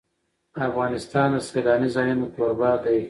افغانستان د سیلانی ځایونه کوربه دی.